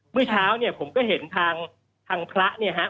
เมื่อเช้าเนี่ยผมก็เห็นทางพระเนี่ยฮะ